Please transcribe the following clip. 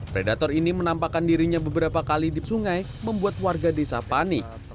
predator ini menampakkan dirinya beberapa kali di sungai membuat warga desa panik